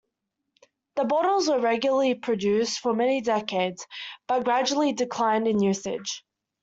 The bottles were regularly produced for many decades, but gradually declined in usage.